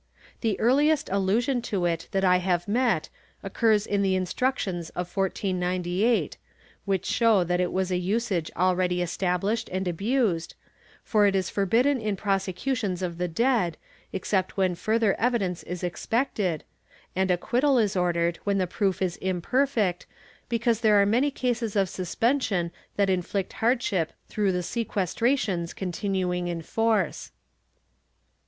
The earUest allusion to it that I have met occurs in the Instructions of 1498, which show that it was a usage already estabUshed and abused, for it is forbidden in prosecutions of the dead, except when further evidence is expected, and acquittal is ordered when the proof is imperfect, because there are many cases of suspension that inflict hardship through the sequestrations continuing in force.